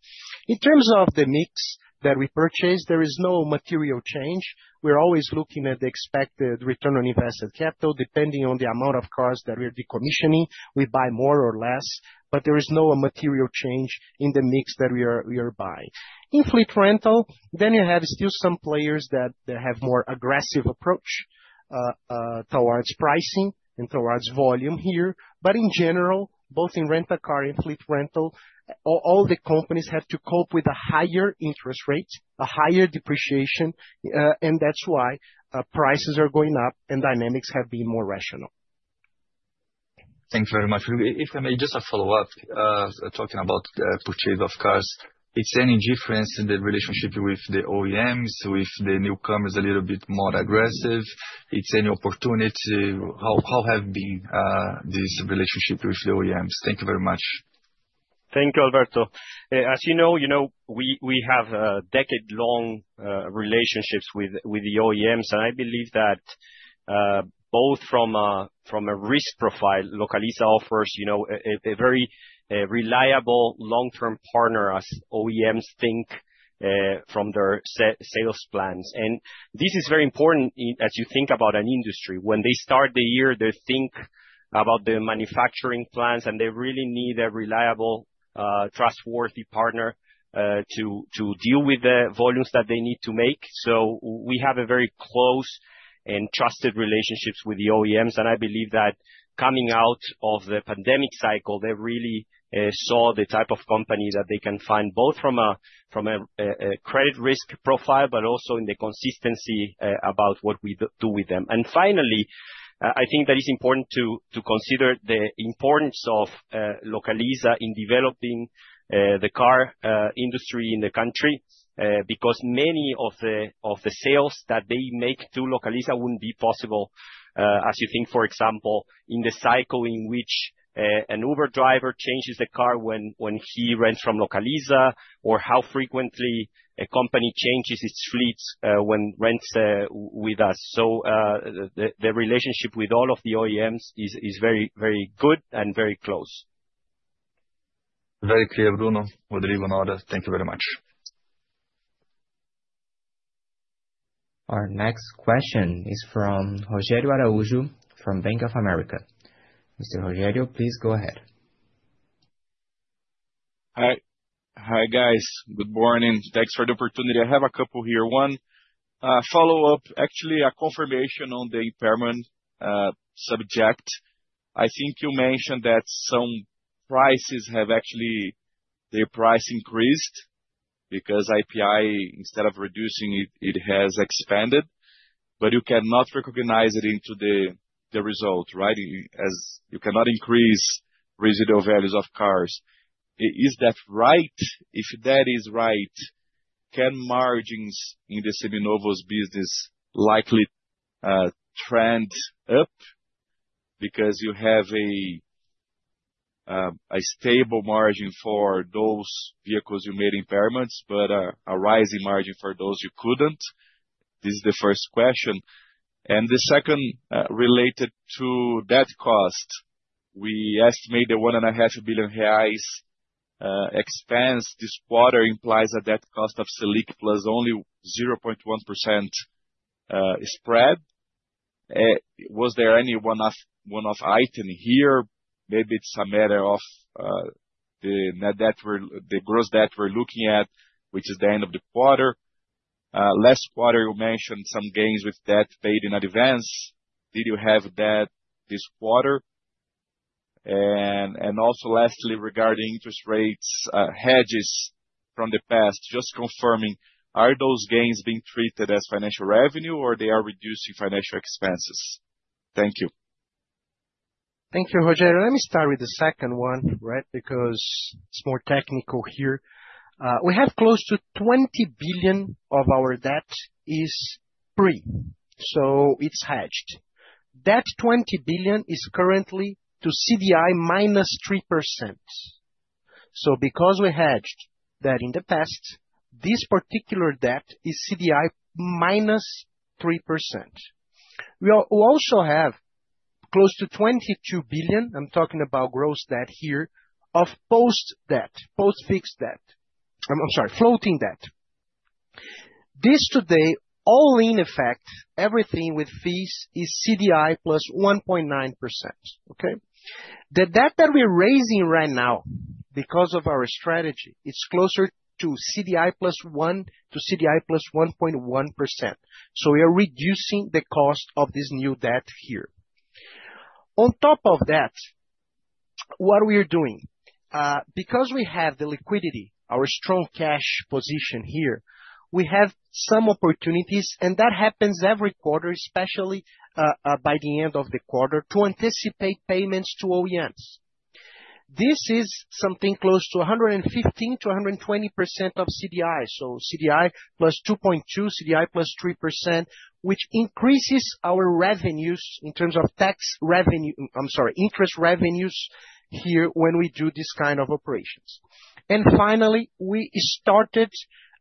In terms of the mix that we purchase, there is no material change. We're always looking at the expected return on invested capital, depending on the amount of cars that we're decommissioning. We buy more or less, but there is no material change in the mix that we are buying. In fleet rental, you have still some players that have a more aggressive approach towards pricing and towards volume here. In general, both in rental car and fleet rental, all the companies have to cope with a higher interest rate, a higher depreciation, and that's why prices are going up and dynamics have been more rational. Thanks very much. If I may, just a follow-up talking about purchase of cars. Is there any difference in the relationship with the OEMs? If the newcomers are a little bit more aggressive, is there any opportunity? How have been these relationships with the OEMs? Thank you very much. Thank you, Alberto. As you know, we have decade-long relationships with the OEMs, and I believe that both from a risk profile, Localiza offers a very reliable long-term partner as OEMs think from their sales plans. This is very important as you think about an industry. When they start the year, they think about the manufacturing plans, and they really need a reliable, trustworthy partner to deal with the volumes that they need to make. We have very close and trusted relationships with the OEMs, and I believe that coming out of the pandemic cycle, they really saw the type of company that they can find both from a credit risk profile, but also in the consistency about what we do with them. Finally, I think that it's important to consider the importance of Localiza in developing the car industry in the country, because many of the sales that they make through Localiza wouldn't be possible as you think, for example, in the cycle in which an Uber driver changes the car when he rents from Localiza, or how frequently a company changes its fleet when it rents with us. The relationship with all of the OEMs is very, very good and very close. Very clear, Bruno, Rodrigo, Nora. Thank you very much. Our next question is from Rogério Araújo from Bank of America. Mr. Rogério, please go ahead. Hi, guys. Good morning. Thanks for the opportunity. I have a couple here. One follow-up, actually a confirmation on the impairment subject. I think you mentioned that some prices have actually, their price increased because IPI, instead of reducing it, it has expanded. You cannot recognize it into the result, right? You cannot increase residual values of cars. Is that right? If that is right, can margins in the Seminovos business likely trend up because you have a stable margin for those vehicles you made impairments, but a rising margin for those you couldn't? This is the first question. The second related to debt cost. We estimate that 1.5 billion reais expense this quarter implies a debt cost of SELIC plus only 0.1% spread. Was there any one-off item here? Maybe it's a matter of the net debt, the gross debt we're looking at, which is the end of the quarter. Last quarter, you mentioned some gains with debt paid in advance. Did you have that this quarter? Also, lastly, regarding interest rates hedges from the past, just confirming, are those gains being treated as financial revenue or are they reducing financial expenses? Thank you. Thank you, Rogério. Let me start with the second one, right, because it's more technical here. We have close to 20 billion of our debt is free. It's hedged. That 20 billion is currently to CDI -3%. Because we hedged that in the past, this particular debt is CDI -3%. We also have close to 22 billion, I'm talking about gross debt here, of post-debt, post-fixed debt. I'm sorry, floating debt. This today, all in effect, everything with fees is CDI plus 1.9%. The debt that we're raising right now, because of our strategy, is closer to CDI +1% to CDI +1.1%. We are reducing the cost of this new debt here. On top of that, what we are doing, because we have the liquidity, our strong cash position here, we have some opportunities, and that happens every quarter, especially by the end of the quarter, to anticipate payments to OEMs. This is something close to 115%-120% of CDI. CDI +2.2%, CDI +3%, which increases our revenues in terms of tax revenue, I'm sorry, interest revenues here when we do this kind of operations. Finally, we started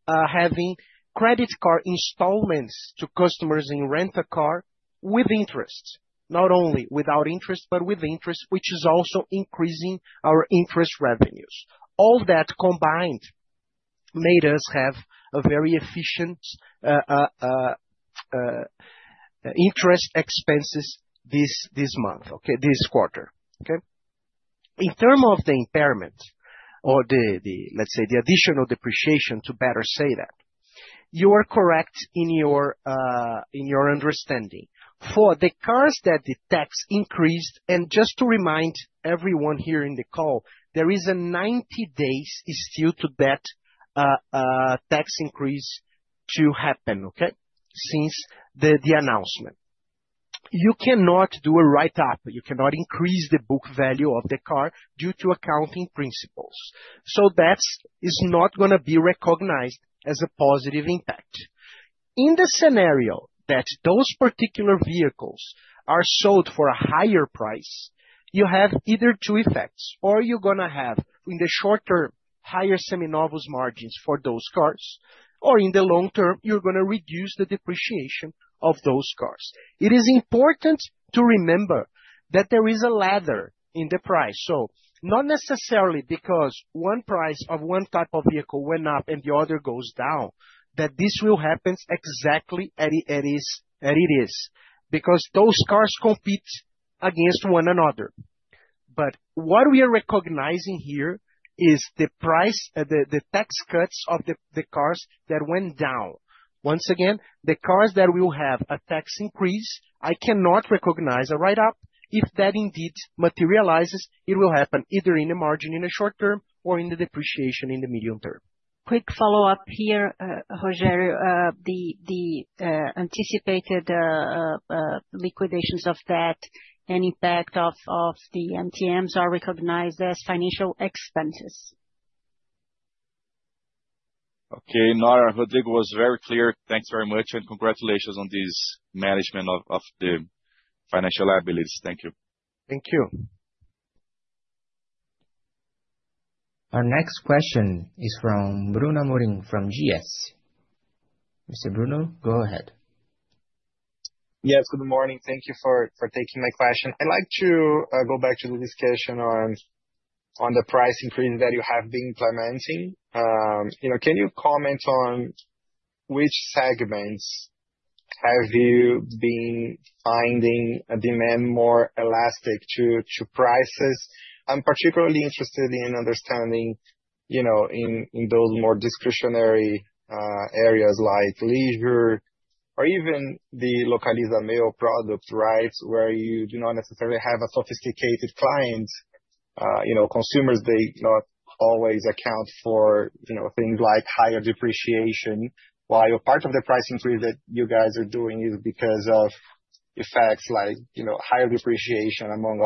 having credit card installments to customers in car rental with interest, not only without interest, but with interest, which is also increasing our interest revenues. All that combined made us have very efficient interest expenses this month, this quarter. In terms of the impairment or the, let's say, the additional depreciation, to better say that, you are correct in your understanding. For the cars that the tax increased, and just to remind everyone here in the call, there is a 90-day still-to-debt tax increase to happen since the announcement. You cannot do a write-up. You cannot increase the book value of the car due to accounting principles. That is not going to be recognized as a positive impact. In the scenario that those particular vehicles are sold for a higher price, you have either two effects, or you're going to have, in the short term, higher Seminovos margins for those cars, or in the long term, you're going to reduce the depreciation of those cars. It is important to remember that there is a ladder in the price. Not necessarily because one price of one type of vehicle went up and the other goes down, that this will happen exactly as it is, because those cars compete against one another. What we are recognizing here is the price, the tax cuts of the cars that went down. Once again, the cars that will have a tax increase, I cannot recognize a write-up. If that indeed materializes, it will happen either in the margin in the short term or in the depreciation in the medium term. Quick follow-up here, Rogério. The anticipated liquidations of debt and impact of the MTMs are recognized as financial expenses. Okay. Nora, Rodrigo was very clear. Thanks very much, and congratulations on this management of the financial liabilities. Thank you. Thank you. Our next question is from Bruno Amorim from GS. Mr. Bruno, go ahead. Yes, good morning. Thank you for taking my question. I'd like to go back to the discussion on the price increase that you have been implementing. Can you comment on which segments have you been finding demand more elastic to prices? I'm particularly interested in understanding, in those more discretionary areas like leisure or even the Localiza Meo product, where you do not necessarily have a sophisticated client. Consumers do not always account for things like higher depreciation, while part of the price increase that you guys are doing is because of effects like higher depreciation, among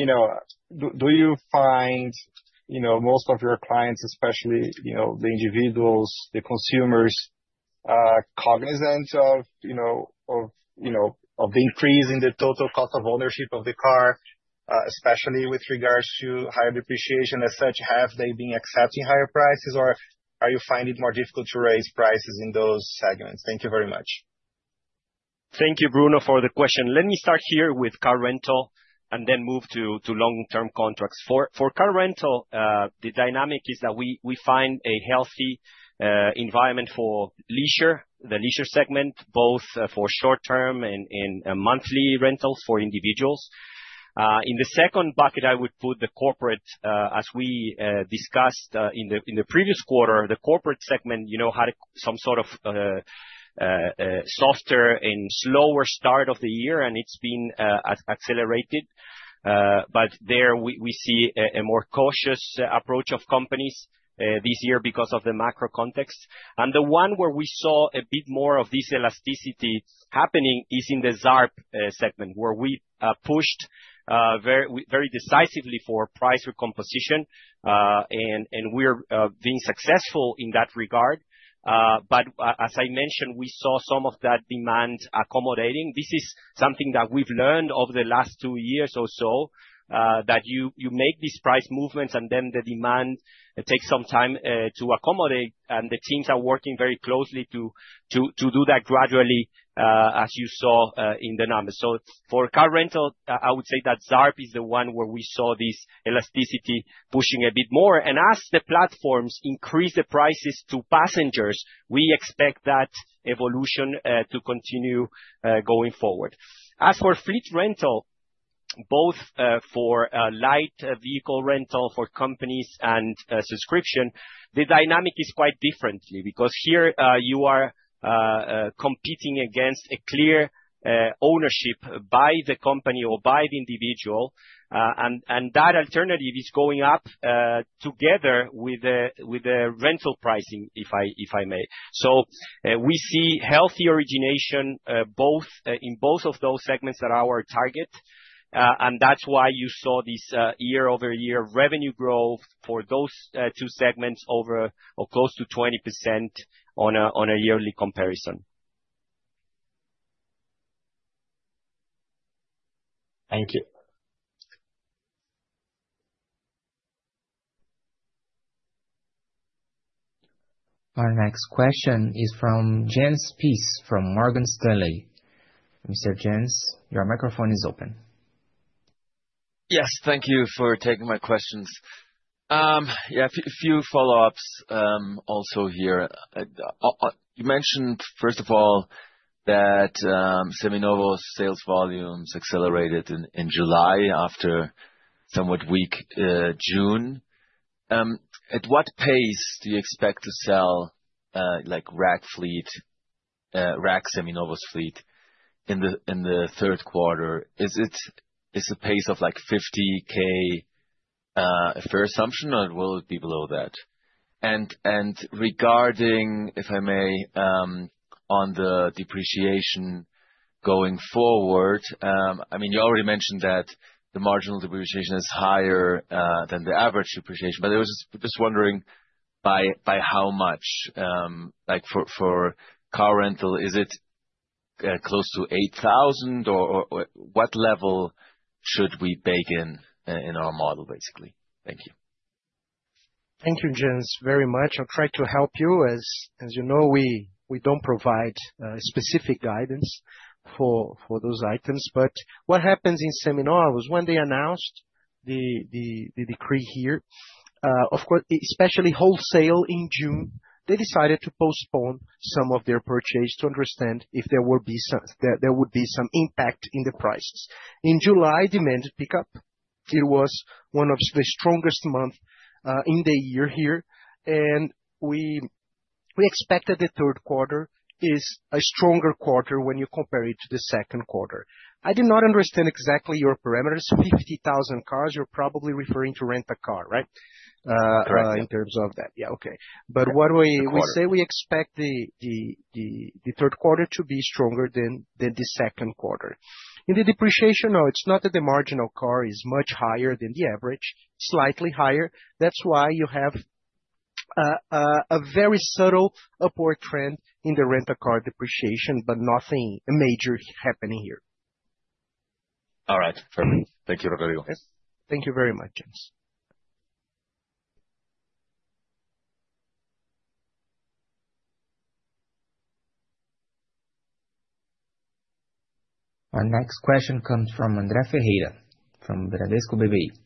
others. Do you find most of your clients, especially the individuals, the consumers, cognizant of the increase in the total cost of ownership of the car, especially with regards to higher depreciation as such? Have they been accepting higher prices, or are you finding it more difficult to raise prices in those segments? Thank you very much. Thank you, Bruno, for the question. Let me start here with car rental and then move to long-term contracts. For car rental, the dynamic is that we find a healthy environment for the leisure segment, both for short-term and monthly rentals for individuals. In the second bucket, I would put the corporate. As we discussed in the previous quarter, the corporate segment had some sort of softer and slower start of the year, and it's been accelerated. There, we see a more cautious approach of companies this year because of the macro context. The one where we saw a bit more of this elasticity happening is in the ZARP segment, where we pushed very decisively for price recomposition, and we're being successful in that regard. As I mentioned, we saw some of that demand accommodating. This is something that we've learned over the last two years or so, that you make these price movements and then the demand takes some time to accommodate. The teams are working very closely to do that gradually, as you saw in the numbers. For car rental, I would say that ZARP is the one where we saw this elasticity pushing a bit more. As the platforms increase the prices to passengers, we expect that evolution to continue going forward. As for fleet rental, both for light vehicle rental for companies and subscription, the dynamic is quite different because here you are competing against a clear ownership by the company or by the individual, and that alternative is going up together with the rental pricing, if I may. We see healthy origination in both of those segments that are our target, and that's why you saw this year-over-year revenue growth for those two segments over close to 20% on a yearly comparison. Thank you. Our next question is from Jens Spiess from Morgan Stanley. Mr. Jens, your microphone is open. Yes, thank you for taking my questions. A few follow-ups also here. You mentioned, first of all, that Seminovos sales volumes accelerated in July after somewhat weak June. At what pace do you expect to sell like RAC fleet, RAC Seminovos fleet in the third quarter? Is it the pace of like 50,000 for assumption, or will it be below that? Regarding, if I may, on the depreciation going forward, you already mentioned that the marginal depreciation is higher than the average depreciation, but I was just wondering by how much, like for car rental, is it close to 8,000 or what level should we bake in in our model, basically? Thank you. Thank you, Jens, very much. I'm trying to help you. As you know, we don't provide specific guidance for those items. What happens in Seminovos, when they announced the decree here, of course, especially wholesale in June, they decided to postpone some of their purchases to understand if there would be some impact in the prices. In July, demand picked up. It was one of the strongest months in the year here. We expected the third quarter is a stronger quarter when you compare it to the second quarter. I do not understand exactly your parameters. 50,000 cars, you're probably referring to car rental, right? Correct. In terms of that, yeah, okay. What we say, we expect the third quarter to be stronger than the second quarter. In the depreciation, no, it's not that the margin of car is much higher than the average, slightly higher. That's why you have a very subtle upward trend in the rental car depreciation, but nothing major happening here. All right, fair enough. Thank you, Rodrigo. Thank you very much, Jens. Our next question comes from Andre Ferreira from Bradesco BBI.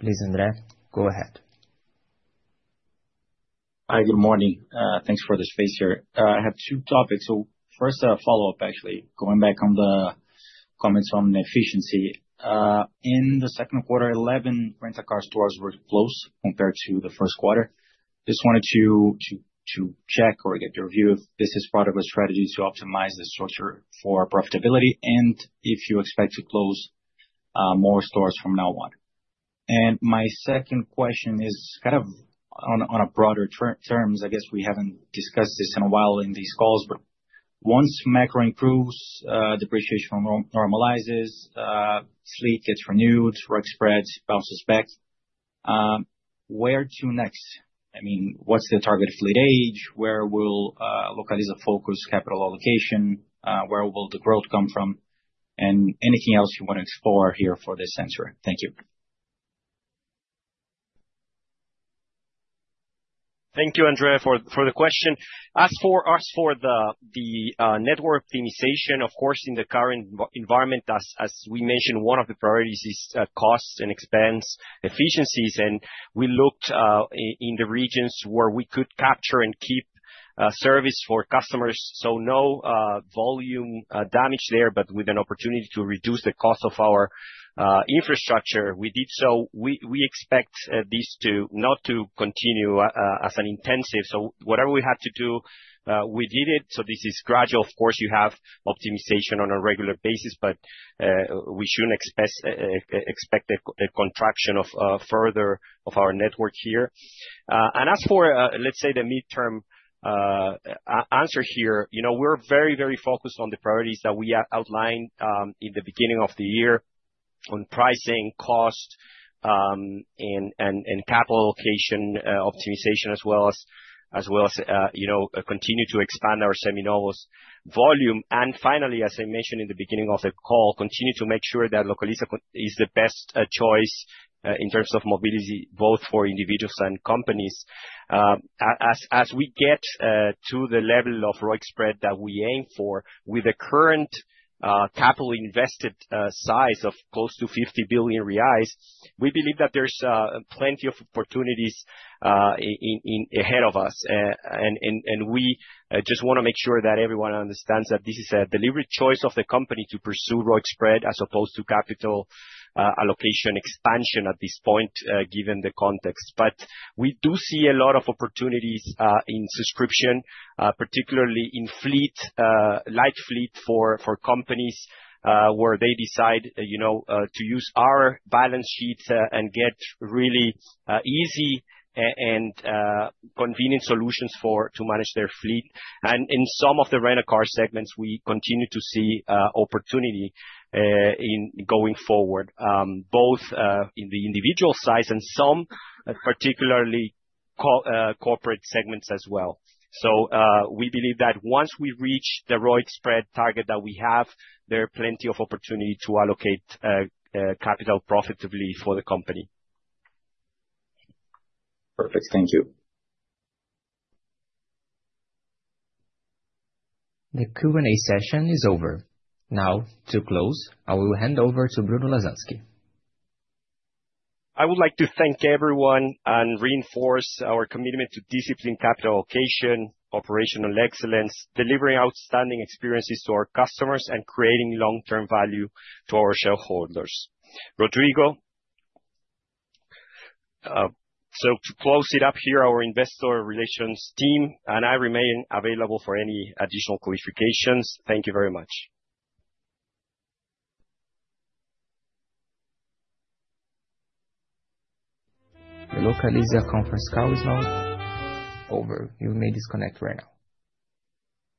Please, Andre, go ahead. Hi, good morning. Thanks for the space here. I have two topics. First, a follow-up, actually, going back on the comments from the efficiency. In the second quarter, 11 rental car stores were closed compared to the first quarter. I just wanted to check or get your view if this is part of a strategy to optimize the structure for profitability and if you expect to close more stores from now on. My second question is kind of on a broader term. I guess we haven't discussed this in a while in these calls, but once macro improves, depreciation normalizes, fleet gets renewed, work spreads bounce back, where to next? I mean, what's the target fleet age? Where will Localiza focus capital allocation? Where will the growth come from? Anything else you want to explore here for this answer? Thank you. Thank you, Andre, for the question. As for the network optimization, of course, in the current environment, as we mentioned, one of the priorities is cost and expense efficiencies. We looked in the regions where we could capture and keep service for customers. No volume damage there, but with an opportunity to reduce the cost of our infrastructure, we did so. We expect this to not continue as intensive. Whatever we had to do, we did it. This is gradual. Of course, you have optimization on a regular basis, but we shouldn't expect a contraction further of our network here. As for the midterm answer here, we're very, very focused on the priorities that we outlined in the beginning of the year on pricing, cost, and capital allocation optimization, as well as continuing to expand our Seminovos volume. Finally, as I mentioned in the beginning of the call, we continue to make sure that Localiza is the best choice in terms of mobility, both for individuals and companies. As we get to the level of ROIC spread that we aim for, with the current capital invested size of close to 50 billion reais, we believe that there's plenty of opportunities ahead of us. We just want to make sure that everyone understands that this is a deliberate choice of the company to pursue ROIC spread as opposed to capital allocation expansion at this point, given the context. We do see a lot of opportunities in subscription, particularly in fleet, light fleet for companies where they decide to use our balance sheets and get really easy and convenient solutions to manage their fleet. In some of the car rental segments, we continue to see opportunity going forward, both in the individual size and some particularly corporate segments as well. We believe that once we reach the ROIC spread target that we have, there are plenty of opportunities to allocate capital profitably for the company. Perfect. Thank you. The Q&A session is over. Now, to close, I will hand over to Bruno Lasansky. I would like to thank everyone and reinforce our commitment to disciplined capital allocation, operational excellence, delivering outstanding experiences to our customers, and creating long-term value to our shareholders. Rodrigo, to close it up here, our Investor Relations team and I remain available for any additional qualifications. Thank you very much. The Localiza conference call is now over. You may disconnect right now.